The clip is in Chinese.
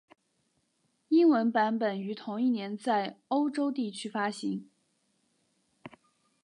英文版本于同一年在欧洲地区发行。